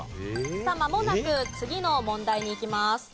さあまもなく次の問題にいきます。